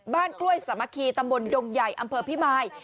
กล้วยสามัคคีตำบลดงใหญ่อำเภอพิมาย